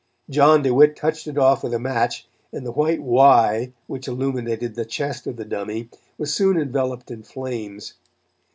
John DeWitt touched it off with a match, and the white "Y" which illuminated the chest of the dummy was soon enveloped in flames.